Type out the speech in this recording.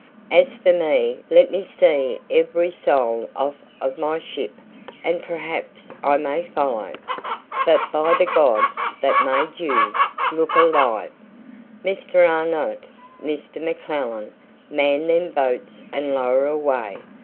As for me, let me see every soul off of my ship and perhaps I may follow; but by the God that made you, look alive! Mr. Arnott Mr. McClellan man them boats and lower away.